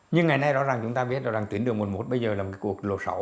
nhưng ngày nay rõ ràng chúng ta biết là tuyến đường bốn mươi một bây giờ là một cuộc lộ sổ